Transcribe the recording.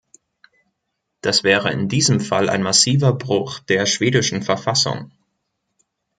Das wäre in diesem Fall ein massiver Bruch der schwedischen Verfassung.